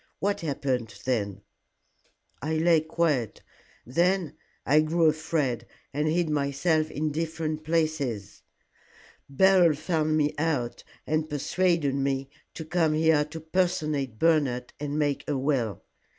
What happened then?" "I lay quiet. Then I grew afraid, and hid myself in different places. Beryl found me out, and persuaded me to come here to personate Bernard, and make a will.